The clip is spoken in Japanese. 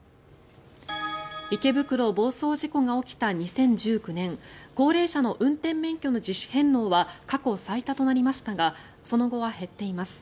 池袋暴走事故が起きた２０１９年高齢者の運転免許の自主返納は過去最多となりましたがその後は減っています。